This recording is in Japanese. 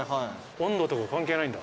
温度とか関係ないんだ。